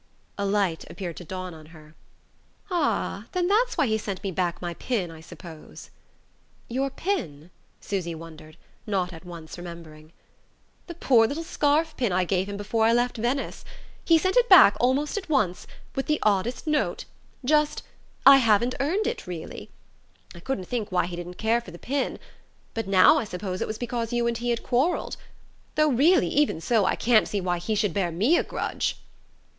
A light appeared to dawn on her. "Ah then that's why he sent me back my pin, I suppose?" "Your pin?" Susy wondered, not at once remembering. "The poor little scarf pin I gave him before I left Venice. He sent it back almost at once, with the oddest note just: 'I haven't earned it, really.' I couldn't think why he didn't care for the pin. But, now I suppose it was because you and he had quarrelled; though really, even so, I can't see why he should bear me a grudge...."